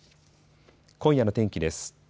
今夜の天気です。